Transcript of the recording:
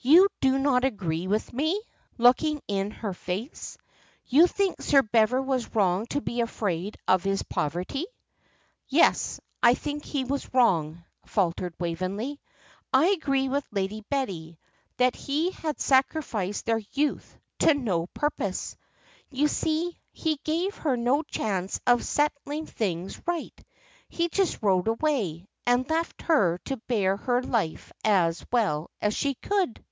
You do not agree with me" looking in her face. "You think Sir Bever was wrong to be afraid of his poverty." "Yes, I think he was wrong," faltered Waveney. "I agree with Lady Betty, that he had sacrificed their youth to no purpose. You see, he gave her no chance of setting things right; he just rode away, and left her to bear her life as well as she could."